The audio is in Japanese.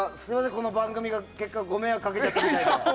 この番組が結果、ご迷惑をかけちゃったみたいで。